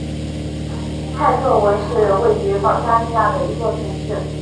泰特文是位于保加利亚的一座城市。